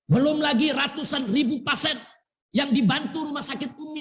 belum lagi ratusan ribu pasien yang dibantu rumah sakit umi